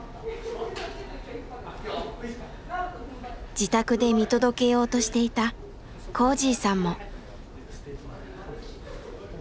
自宅で見届けようとしていたこーじぃさんも。